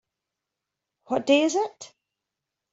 What day is it?